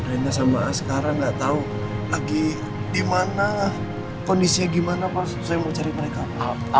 rena sama askara gak tau lagi dimana kondisinya gimana pas saya mau cari mereka